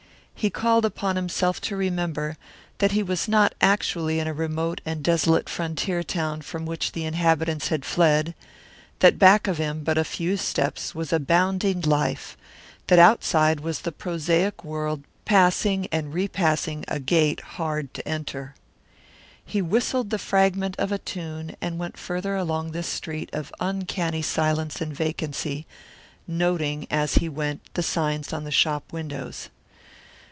He called upon himself to remember that he was not actually in a remote and desolate frontier town from which the inhabitants had fled; that back of him but a few steps was abounding life, that outside was the prosaic world passing and repassing a gate hard to enter. He whistled the fragment of a tune and went farther along this street of uncanny silence and vacancy, noting, as he went, the signs on the shop windows.